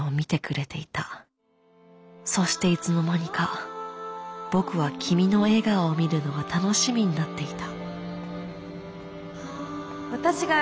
そしていつの間にか僕は君の笑顔を見るのが楽しみになっていた」。